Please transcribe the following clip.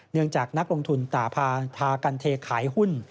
เนื่องจากนักลงทุนตาพาถากันเทขายหุ้น